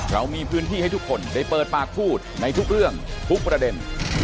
เรามีพื้นที่ให้ทุกคนได้เปิดปากพูดในทุกเรื่องทุกประเด็น